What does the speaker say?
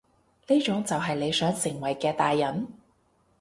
呢種就係你想成為嘅大人？